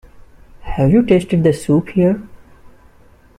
Have you tasted the soup here?